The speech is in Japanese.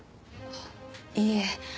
いいえ。